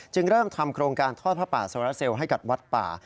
เริ่มทำโครงการทอดผ้าป่าโซราเซลให้กับวัดป่า